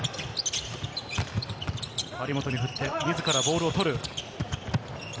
張本に振って自らボールを取る。